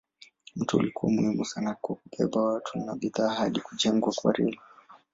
Mto ulikuwa muhimu sana kwa kubeba watu na bidhaa hadi kujengwa kwa reli.